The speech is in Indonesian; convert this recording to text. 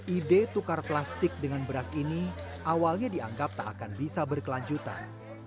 ide tukar plastik dengan beras ini awalnya dianggap tak akan bisa berkelanjutan